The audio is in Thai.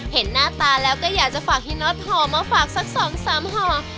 เห็นหน้าตาแล้วก็อยากจะฝากพี่น็อตห่อมาฝากสัก๒๓ห่อ